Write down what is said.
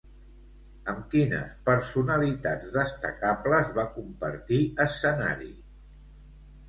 Amb quines personalitats destacables va compartir escenari?